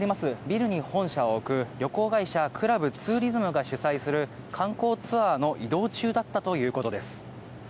ビルに本社を置く旅行会社、クラブツーリズムが主催する観光ツアーの移動中だったということです。